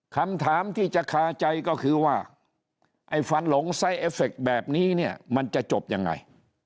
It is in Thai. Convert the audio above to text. คำถามที่จะคาใจก็คือว่าไอ้ฟันหลงไซสเอฟเคแบบนี้เนี่ยมันจะจบยังไง